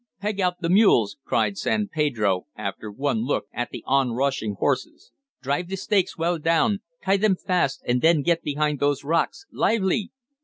Peg out the mules!" cried San Pedro, after one look at the onrushing horses. "Drive the stakes well down! Tie them fast and then get behind those rocks! Lively!"